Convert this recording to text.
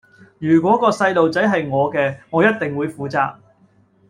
如果個細路仔係我嘅，我一定會負責